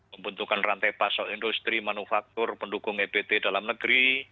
pembentukan rantai pasok industri manufaktur pendukung ebt dalam negeri